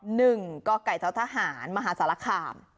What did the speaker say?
หนึ่งกไก่ท้อทหารมหาสารคาม